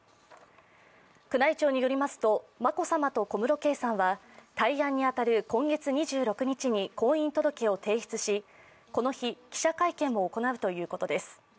宮内庁によりますと、眞子さまと小室圭さんは大安に当たる今月２６日に婚姻届を提出しこの日、記者会見を行うということです。